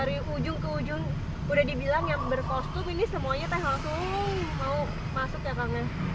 dari ujung ke ujung udah dibilang yang berkostum ini semuanya teh langsung mau masuk ya kang